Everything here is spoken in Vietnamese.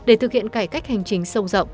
để thực hiện cải cách hành trình sâu rộng